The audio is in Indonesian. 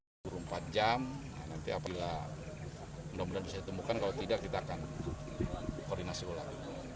baru empat jam nanti apabila mudah mudahan bisa ditemukan kalau tidak kita akan koordinasi ulang